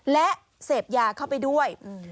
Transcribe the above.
และเสพยาเข้าไปด้วย